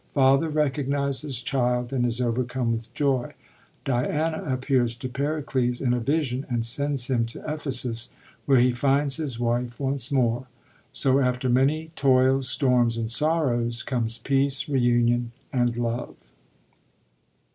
Father recognises child, and is overcome with joy. Diana appears to Pericles in a vision, and sends him to Ephesus, where he finds his wife once more. So, after many toils, storms, and sorrows, come peace, reunion, and love.